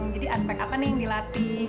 jadi aspek apa nih yang dilatih